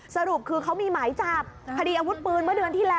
สรุปคือเขามีหมายจับคดีอาวุธปืนเมื่อเดือนที่แล้ว